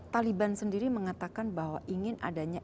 taliban sendiri mengatakan bahwa ingin adanya